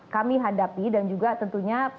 kami hadapi dan juga tentunya